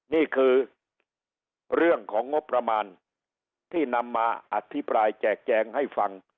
นี่คือเรื่องของงบประมาณที่นำมาอธิบายแจกแจงให้ฟัง